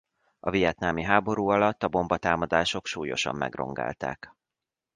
A vietnámi háború alatt a bombatámadások súlyosan megrongálták.